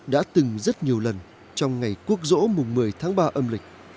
đã từng rất nhiều lần trong ngày quốc dỗ mùng một mươi tháng ba âm lịch